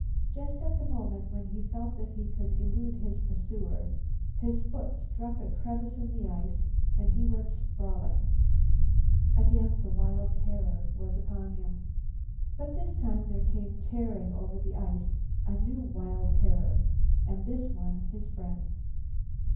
Just at the moment when he felt that he could elude his pursuer, his foot struck a crevice in the ice, and he went sprawling. Again the wild terror was upon him. But this time there came tearing over the ice a new wild terror, and this one his friend.